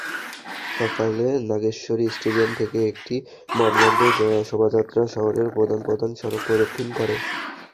সকালে নাগেশ্বরী স্টেডিয়াম থেকে একটি বর্ণাঢ্য শোভাযাত্রা শহরের প্রধান প্রধান সড়ক প্রদক্ষিণ করে।